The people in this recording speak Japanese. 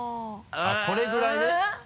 あっこれぐらいね？